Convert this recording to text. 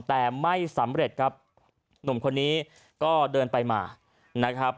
แต่ไม่สำเร็จครับหนุ่มคนนี้ก็เดินไปมานะครับ